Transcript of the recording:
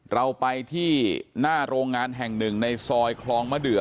เราไปที่หน้าโรงงานแห่งหนึ่งในซอยคลองมะเดือ